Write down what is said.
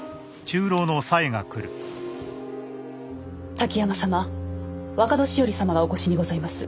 滝山様若年寄様がお越しにございます。